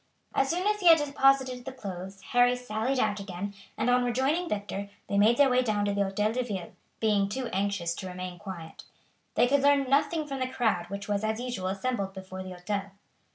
As soon as he had deposited the clothes Harry sallied out again, and on rejoining Victor they made their way down to the Hotel de Ville, being too anxious to remain quiet. They could learn nothing from the crowd which was, as usual, assembled before the Hotel.